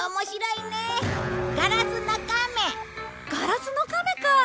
『ガラスのカメ』かあ！